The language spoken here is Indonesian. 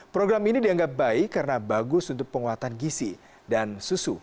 program ini dianggap baik karena bagus untuk penguatan gisi dan susu